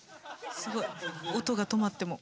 すごい音が止まっても。